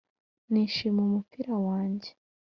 nishimiye umupira wanjye.